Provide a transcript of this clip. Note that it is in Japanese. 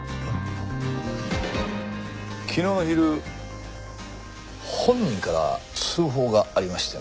昨日昼本人から通報がありましてね。